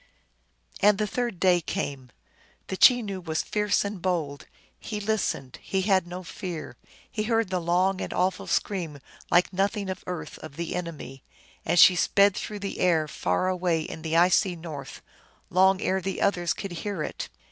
And the third day came. The Chenoo was fierce and bold ; he listened ; he had no fear. He heard the long and awful scream like nothing of earth of the enemy, as she sped through the air far away in the icy north, long ere the others could hear it.